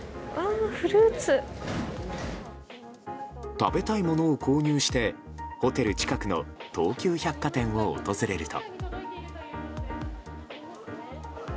食べたいものを購入してホテル近くの東急百貨店を訪れると。